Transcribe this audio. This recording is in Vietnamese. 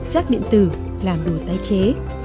rác điện tử làm đồ tái chế